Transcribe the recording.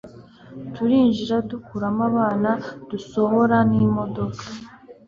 turinjira dukuramo abana dusohora n'imodoka